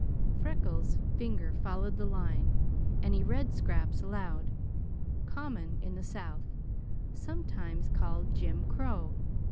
Freckles' finger followed the line, and he read scraps aloud. "'Common in the South. Sometimes called Jim Crow.